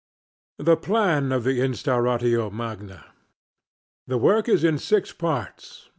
THE PLAN OF THE INSTAURATIO MAGNA The work is in six Parts: 1.